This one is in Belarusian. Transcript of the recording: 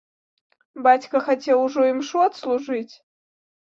Бацька хацеў ужо імшу адслужыць.